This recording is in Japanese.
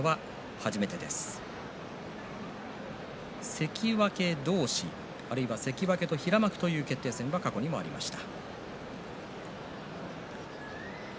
関脇同士、あるいは関脇と平幕の決定戦は過去にもありました。